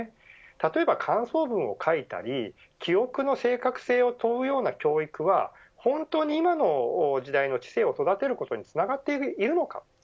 例えば、感想文を書いたり記憶の正確性を問うような教育は本当に今の時代の知性を育てることにつながっているのか。